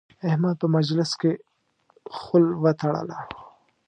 احمد په مجلس کې خول وتړله.